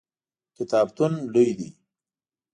کتابتون لوی دی؟